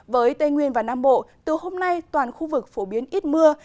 với tây nguyên và nam bộ từ hôm nay toàn khu vực phổ biến ít mưa